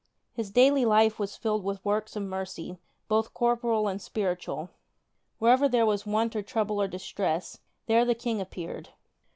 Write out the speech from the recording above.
His daily life was filled with works of mercy, both corporal and spiritual. Wherever there was want or trouble or distress, there the King appeared.